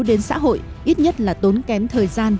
đến xã hội ít nhất là tốn kém thời gian